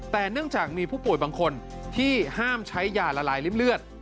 แต่เนื่องจากมีผู้ป่วยบางคนที่ห้ามใช้ยาละลายริ่มเลือด